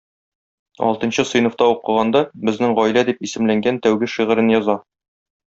Алтынчы сыйныфта укыганда "Безнең гаилә" дип исемләнгән тәүге шигырен яза.